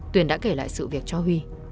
tuyển đã kể lại sự việc cho huy